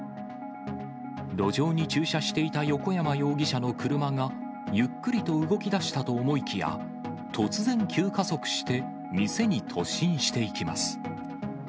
路上に駐車していた横山容疑者の車が、ゆっくりと動きだしたと思いきや、突然急加速して店に突進していきます。